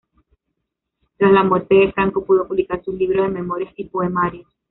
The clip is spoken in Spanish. Tras la muerte de Franco pudo publicar sus libros de memorias y poemarios.